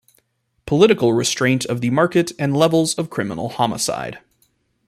Political Restraint of the Market and Levels of Criminal Homicide.